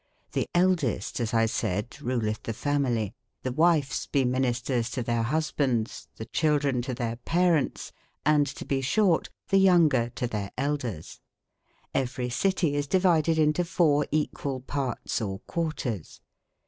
The eldeste, as X sayde, rulethe the family e. The wyfes bee ministers to theire hus bandes, the children to theire parentes, and to bee shorte, the yonger to theire 132 cldcrs^Gvcryc cytic is dcvidcdintofourc 'Cbc cquall partes or quarters.